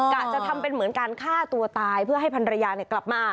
จะทำเป็นเหมือนการฆ่าตัวตายเพื่อให้พันรยากลับมา